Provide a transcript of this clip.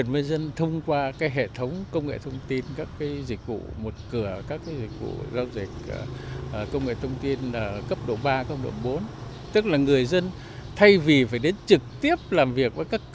nhưng mà chả có cô nào về